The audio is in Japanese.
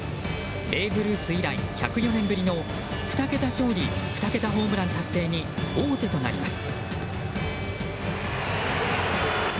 ベーブ・ルース以来１０４年ぶりの２桁勝利、２桁ホームラン達成に王手となります。